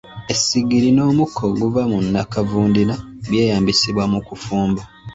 Essigiri n'omukka oguva mu nnakavundira by'eyambisibwa mu kufumba.